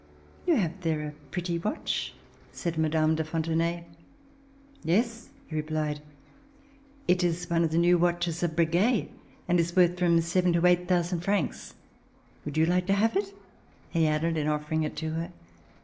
''You have there a pretty watch," said Mme. de Fontenay. "Yes," he replied. "It is one of the new watches of Breguet and is worth from seven to eight thousand francs. Would you like to have it?" he added in offering it to her.